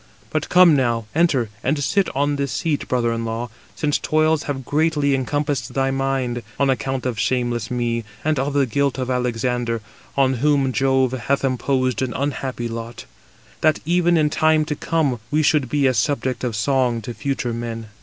But come now, enter, and sit on this seat, brother in law, since toils have greatly encompassed thy mind, on account of shameless me, and of the guilt of Alexander; on whom Jove hath imposed an unhappy lot, that, even in time to come, we should be a subject of song to future men."